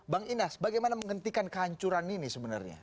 bang inas bagaimana menghentikan kehancuran ini sebenarnya